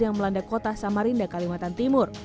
yang melanda kota samarinda kalimantan timur